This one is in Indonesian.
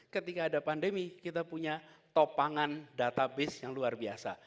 ketika ada pandemi kita punya topangan database yang luar biasa